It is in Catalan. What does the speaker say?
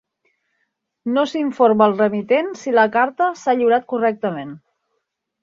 No s'informa el remitent si la carta s'ha lliurat correctament.